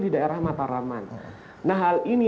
di daerah mataraman nah hal ini